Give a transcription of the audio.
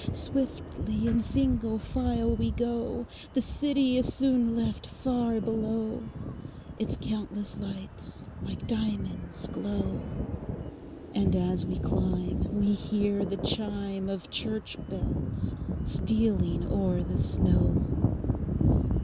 Swiftly in single file we go, The city is soon left far below, Its countless lights like diamonds glow; And as we climb we hear the chimeOf church bells stealing o'er the snow.